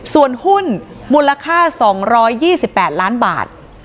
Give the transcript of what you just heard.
ส่วนหุ้นมูลค่า๒๒๘ล้านบาท